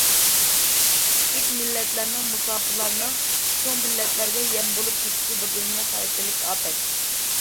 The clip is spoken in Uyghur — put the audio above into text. كىچىك مىللەتلەرنىڭ، مۇساپىرلارنىڭ چوڭ مىللەتلەرگە يەم بولۇپ كېتىشى بىر دۇنيا خاراكتېرلىك ئاپەت.